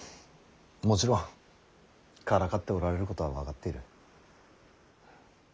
もちろんからかっておられることは分かっている。